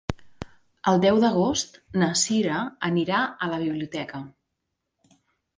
El deu d'agost na Cira anirà a la biblioteca.